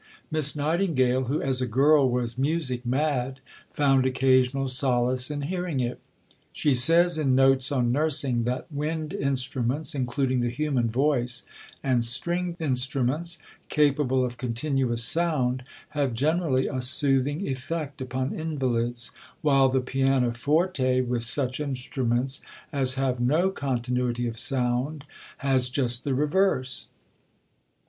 Miss Nightingale, who as a girl was music mad, found occasional solace in hearing it. She says in Notes on Nursing that "wind instruments, including the human voice, and stringed instruments, capable of continuous sound," have generally a soothing effect upon invalids, "while the pianoforte, with such instruments as have no continuity of sound, has just the reverse."